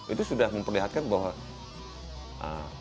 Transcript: itu sudah memperlihatkan bahwa